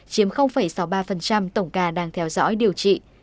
chiếm sáu mươi ba tổng ca đang theo dõi điều trị